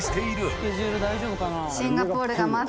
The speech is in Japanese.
スケジュール大丈夫かな？